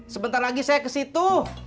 sebentar lagi saya ke situ